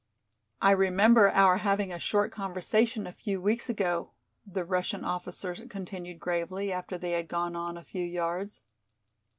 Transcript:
"I remember our having a short conversation a few weeks ago," the Russian officer continued gravely, after they had gone on a few yards.